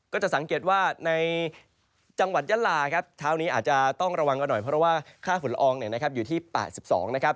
ก็จะสังเกตว่าในจังหวัดยะลาครับเช้านี้อาจจะต้องระวังกันหน่อยเพราะว่าค่าฝุ่นละอองเนี่ยนะครับอยู่ที่๘๒นะครับ